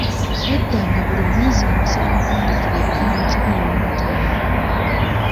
Edda nga buli muyizi mmusaba ampandiikire ebigambo kikumi mu ataano.